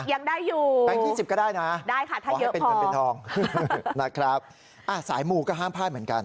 ยังได้อยู่ได้ค่ะถ้าเยอะพอสายมูก็ห้ามพลาดเหมือนกัน